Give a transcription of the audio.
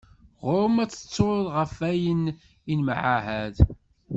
Ɣur-m ad tettuḍ ɣef wayen nemɛahad.